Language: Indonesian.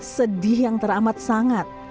sedih yang teramat sangat